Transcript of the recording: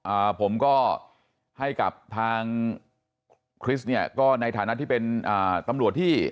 อ่าผมก็ให้กับทางคริสเนี่ยก็ในฐานะที่เป็นอ่าตำรวจที่